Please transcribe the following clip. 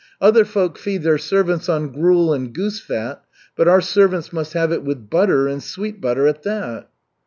Other folk feed their servants on gruel and goose fat, but our servants must have it with butter, and sweet butter at that."